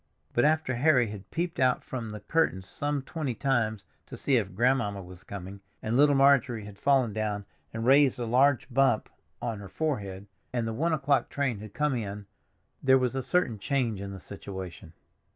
But after Harry had peeped out from the curtains some twenty times to see if grandmamma was coming, and little Marjorie had fallen down and raised a large bump on her forehead, and the one o'clock train had come in, there was a certain change in the situation.